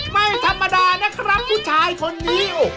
ไม่ธรรมดานะครับผู้ชายคนนี้